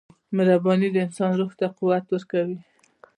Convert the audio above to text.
• مهرباني د انسان روح ته قوت ورکوي.